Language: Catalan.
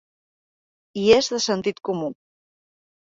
I és de sentit comú.